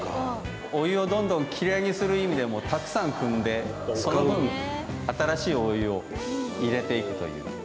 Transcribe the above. お湯をどんどんきれいにする意味でもたくさんくんでその分新しいお湯を入れていくという。